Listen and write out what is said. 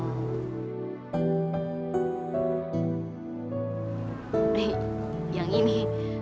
eh yang ini